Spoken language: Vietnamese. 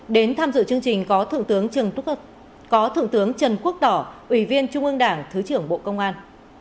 đến tham dự chương trình có thượng tướng trần quốc tỏ ủy viên trung ương đảng thứ trưởng bộ công an